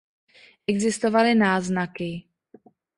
Existovaly náznaky.